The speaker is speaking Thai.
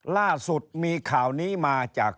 ล่าสุดมีข่าวนี้มาจาก